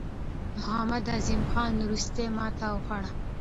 محمد اعظم خان وروستۍ ماته وخوړه.